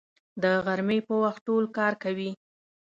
د غرمې په وخت ټول کار کوي